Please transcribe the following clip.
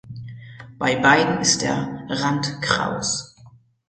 Bei beiden ist der Rand kraus.